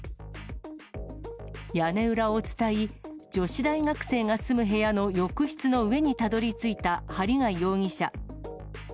屋根裏を伝い、女子大学生が住む部屋の浴室の上にたどりついた針谷容疑者。